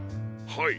はい。